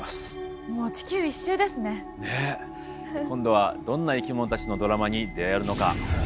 今度はどんな生き物たちのドラマに出会えるのか。